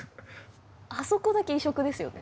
あそこだけ異色ですよね。